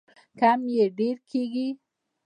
کم یې ډیر کیږي.